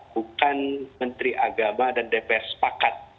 bukan menteri agama dan dpr sepakat